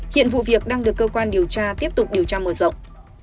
hiện vụ việc đang được cơ quan điều tra tiếp tục điều tra mở rộng